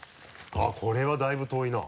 あっこれはだいぶ遠いな。